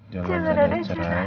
jangan ada cerai